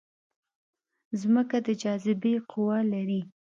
ځمکه د جاذبې قوه لري